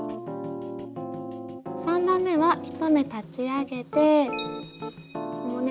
３段めは１目立ち上げてこのね